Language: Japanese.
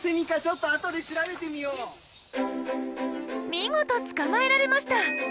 見事捕まえられました！